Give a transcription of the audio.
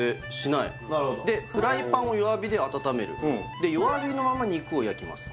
なるほどでフライパンを弱火で温めるで弱火のまま肉を焼きます